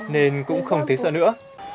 nên cũng không thấy sợ nữa